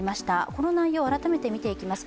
この内容を改めてみていきます。